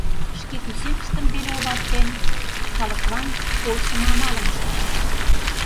Шке кӱсеныштым веле овартен, калыклан полшымо амалым ыштышт.